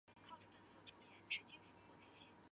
我曾经拥有过